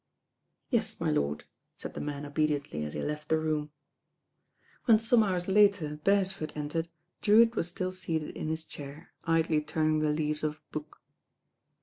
"Yes, my lord," said the man obediently as he left liie room. When some hours later Beresford entered. Drew 144 THE RAIN 6IRL itt was still seated in his chair, idly turning the leaves of a book.